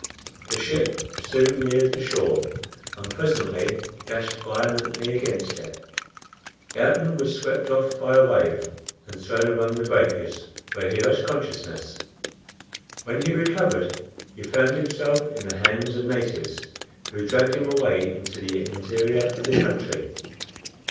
The ship soon neared the shore, and presently dashed violently against it. Ayrton was swept off by a wave, and thrown among the breakers, where he lost consciousness. When he recovered, he found himself in the hands of natives, who dragged him away into the interior of the country.